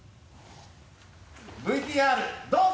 ＶＴＲどうぞ！